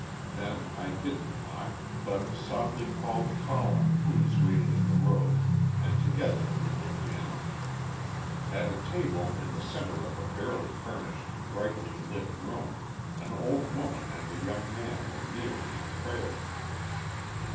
Then I didn't knock, but softly called Colin, who was waiting in the road, and together we looked in. At a table in the centre of a barely furnished, brightly lit room, an old woman and a young man were kneeling in prayer.